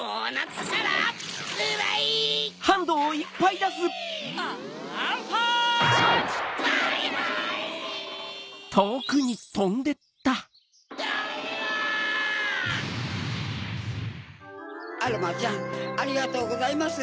ドシンアロマちゃんありがとうございます。